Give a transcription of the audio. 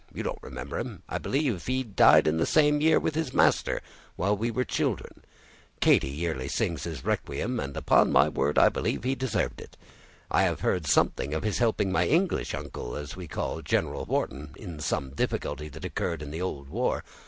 You don't remember him, I believe; he died the same year with his master, while we were children. Katy yearly sings his requiem, and, upon my word, I believe he deserved it. I have heard something of his helping my English uncle, as we call General Wharton, in some difficulty that occurred in the old war.